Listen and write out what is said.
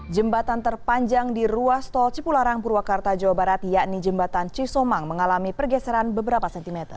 jembatan terpanjang di ruas tol cipularang purwakarta jawa barat yakni jembatan cisomang mengalami pergeseran beberapa cm